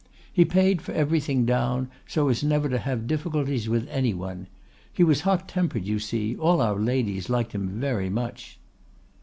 He paid for everything down, so as never to have difficulties with any one. He was hot tempered, you see! All our ladies liked him very much.